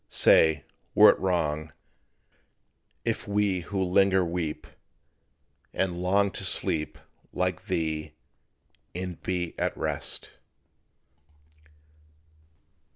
Say, were it wrong, if we who linger weep, And long to sleep, like thee, and be at rest?